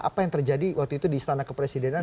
apa yang terjadi waktu itu di istana kepresidenan